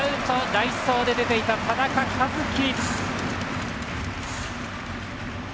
代走で出ていた田中和基。